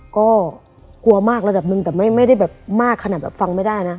ก็กลัวมากระดับหนึ่งแต่ไม่ได้แบบมากขนาดแบบฟังไม่ได้นะ